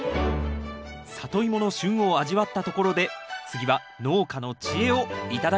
サトイモの旬を味わったところで次は農家の知恵を頂きます！